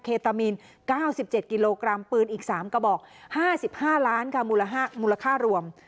ตามีน๙๗กิโลกรัมปืนอีก๓กระบอก๕๕ล้านค่ะมูลค่ารวม